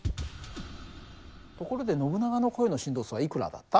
ところでノブナガの声の振動数はいくらだった？